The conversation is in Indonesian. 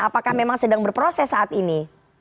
apakah memang sedang berproses saat ini